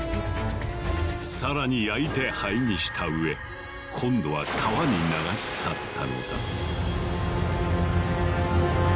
更に焼いて灰にしたうえ今度は川に流し去ったのだ。